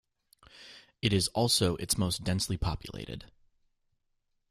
It is also its most densely populated.